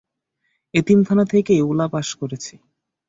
এতিমখানা থেকেই উলা পাস করেছি।